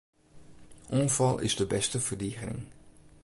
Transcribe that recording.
Oanfal is de bêste ferdigening.